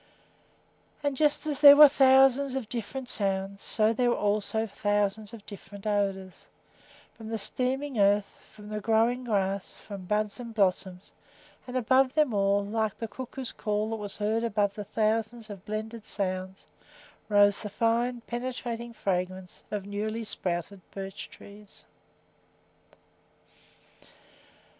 And just as there were thousands of different sounds, so were there also thousands of different odors, from the steaming earth, from the growing grass, from buds and blossoms; and above them all, like the cuckoo's call that was heard above the thousands of blended sounds, rose the fine, penetrating fragrance of newly sprouted birch trees.